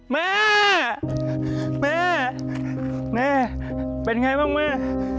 แม่แม่เป็นไงบ้างแม่